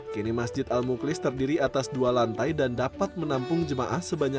kini masjid al muklis terdiri atas dua lantai dan dapat menampung jemaah sebanyak dua ratus empat puluh orang